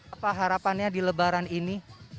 apa harapannya di lebaran ini